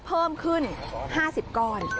เพิ่มขึ้น๕๐ก้อน